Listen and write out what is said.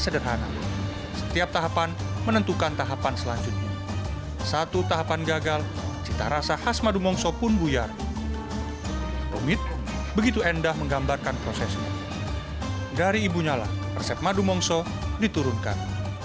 dari ibunya lah resep madu mongso diturunkan